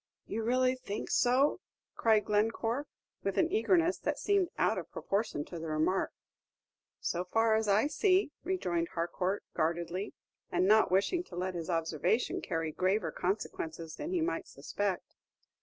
"You really think so?" cried Glencore, with an eagerness that seemed out of proportion to the remark. "So far as I see," rejoined Harcourt, guardedly, and not wishing to let his observation carry graver consequences than he might suspect.